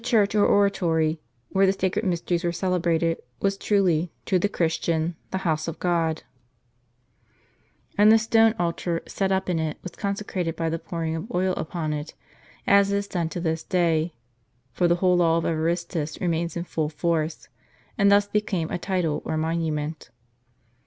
and set it up for a title, pouring oil on the top of itr t The church or oratory, where the sacred mysteries were celebrated, was truly, to the Christian, the house of God ; and the stone altar, set up in it, was consecrated by the pouring of oil upon it, as is done to this day (for the whole law of Evaristus remains in full force) ; and thus became a title, or monument.!